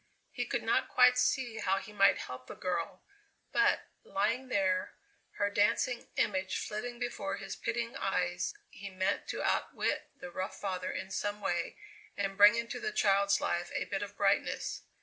He could not quite see how he might help the girl, but, lying there, her dancing image flitting before his pitying eyes, he meant to outwit the rough father in some way, and bring into the child's life a bit of brightness.